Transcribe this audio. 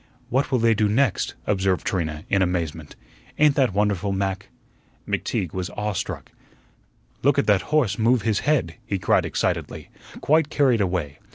"What will they do next?" observed Trina, in amazement. "Ain't that wonderful, Mac?" McTeague was awe struck. "Look at that horse move his head," he cried excitedly, quite carried away.